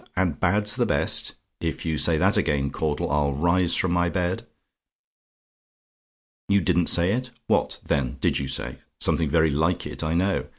"AND BAD'S THE BEST? "If you say that again, Caudle, I'll rise from my bed. "YOU DIDN'T SAY IT? "What, then, did you say? Something very like it, I know.